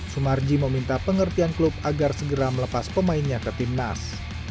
sumarji meminta pengertian klub agar segera melepas pemainnya ke timnas